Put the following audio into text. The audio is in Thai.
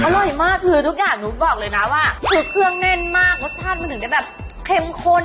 อร่อยมากคือทุกอย่างหนูบอกเลยนะว่าคือเครื่องแน่นมากรสชาติมันถึงได้แบบเข้มข้น